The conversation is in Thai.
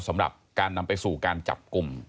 สำหรับการนำไปสู่การจับกลุ่ม